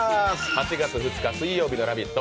８月２日水曜日の「ラヴィット！」。